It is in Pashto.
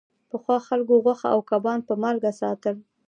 پخوا خلکو غوښه او کبان په مالګه ساتل.